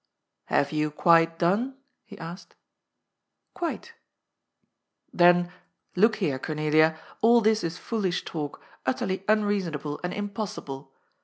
" Have you quite done ?" he asked. « Quite." "Then, look here, Cornelia, all this is foolish talk, utterly unreasonable and impossible.